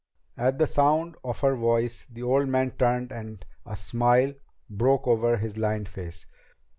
At the sound of her voice the old man turned and a smile broke over his lined face.